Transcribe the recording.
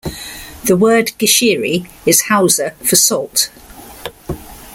The word "gishiri" is Hausa for "salt".